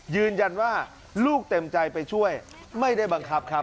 ยืนยันว่าลูกเต็มใจไปช่วยไม่ได้บังคับครับ